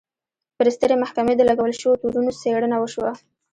پر سترې محکمې د لګول شویو تورونو څېړنه وشوه.